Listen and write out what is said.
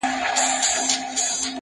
o له کچکول سره فقېر را سره خاندي,